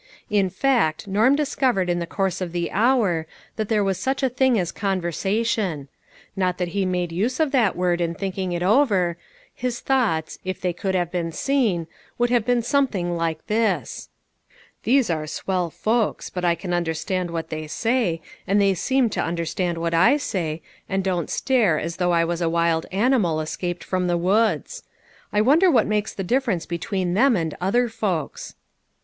In fact, Norm discovered in the course of the hour that there was such a thing as conversation. Not LITTLE FISHEES: AND THEIE NETS. that he made use of that word, in thinking it over ; his thoughts, if they could have been seen, would have been something like this :" These are swell folks, but I can understand what they say, and they seem to understand what^I say, and don't stare as though I was a wild animal escaped from the woods. I wonder what makes the difference between them and other folks?"